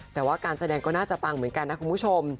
แต่ว่าการแสดงก็น่าจะปังเหมือนกันนะคุณผู้ชม